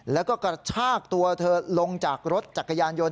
แล้วก็กระชากตัวเธอลงจากรถจักรยานยนต